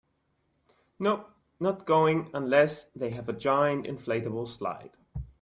Nope, not going unless they have a giant inflatable slide.